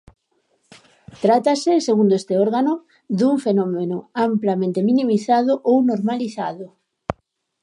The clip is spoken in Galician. Trátase, segundo este órgano, dun fenómeno amplamente minimizado ou normalizado.